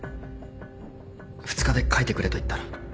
２日で描いてくれと言ったら。